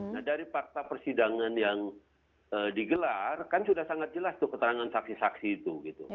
nah dari fakta persidangan yang digelar kan sudah sangat jelas tuh keterangan saksi saksi itu